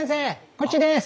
こっちです！